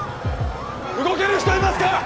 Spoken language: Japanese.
動ける人いますか？